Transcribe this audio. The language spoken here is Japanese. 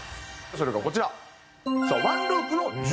それがこちら。